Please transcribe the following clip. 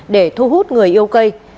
để thu hút người yêu cây